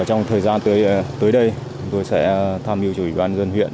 trong thời gian tới đây tôi sẽ tham nhu chủ yếu đoàn dân huyện